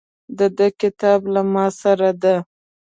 د ده کتاب له ماسره ده.